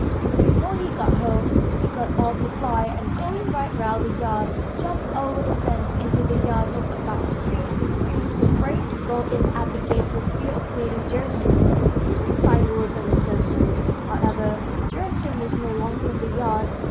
But before he got home, he got off the fly, and going right round the yard, jumped over the fence into the yard from a back street. He was afraid to go in at the gate for fear of meeting Gerasim. His anxiety was unnecessary, however; Gerasim was no longer in the yard.